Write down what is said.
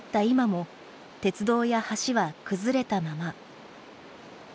今も、鉄道や橋は崩れたまま。